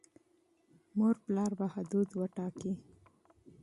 والدین به حدود وټاکي.